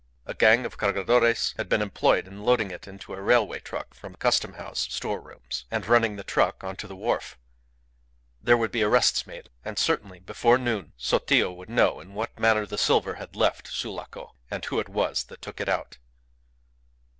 A gang of Cargadores had been employed in loading it into a railway truck from the Custom House store rooms, and running the truck on to the wharf. There would be arrests made, and certainly before noon Sotillo would know in what manner the silver had left Sulaco, and who it was that took it out.